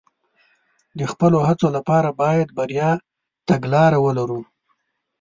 د خپلو هڅو لپاره باید د بریا تګلاره ولرو.